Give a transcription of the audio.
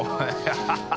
ハハハ